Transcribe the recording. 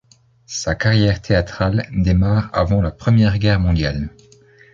Sa carrière théâtrale démarre avant la Première Guerre mondiale.